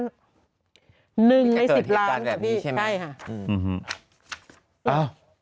มีใครเกิดเหตุการณ์แบบนี้ใช่ไหม